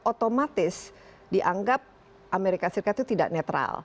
otomatis dianggap amerika serikat itu tidak netral